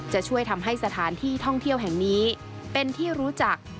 จะช่วยทำให้สถานที่ท่องเที่ยวแห่งนี้เป็นที่รู้จัก